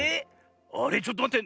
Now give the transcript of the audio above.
あれちょっとまって。